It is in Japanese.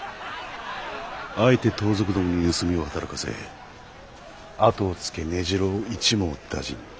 あえて盗賊どもに盗みを働かせ後をつけ根城を一網打尽。